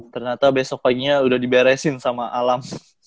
ternyata besok paginya udah diberesin sama alam